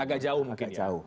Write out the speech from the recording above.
agak jauh mungkin ya